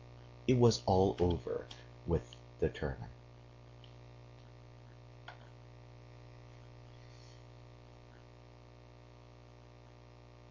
It was all over with the turner.